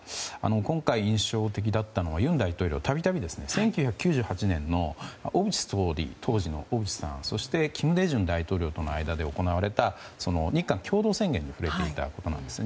今回印象的だったのは尹大統領はたびたび１９９８年の当時の小渕総理そして、金大中大統領との間で行われた日韓共同宣言に触れていたことなんですね。